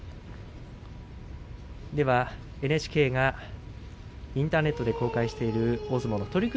ＮＨＫがインターネットで公開している大相撲の取組